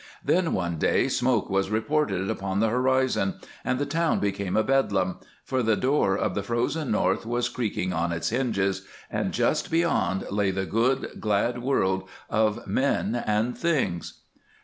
Then one day smoke was reported upon the horizon, and the town became a bedlam; for the door of the frozen North was creaking on its hinges, and just beyond lay the good, glad world of men and things.